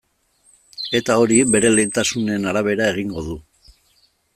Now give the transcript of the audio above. Eta hori bere lehentasunen arabera egingo du.